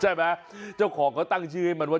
ใช่ไหมเจ้าของก็ตั้งชื่อให้มันว่า